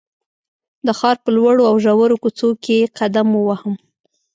د ښار په لوړو او ژورو کوڅو کې قدم ووهم.